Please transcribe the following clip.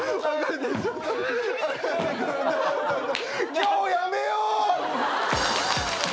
今日やめよう！